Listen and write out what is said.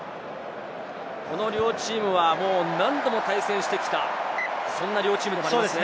この両チームは何度も対戦してきたそんな両チームでもありますね。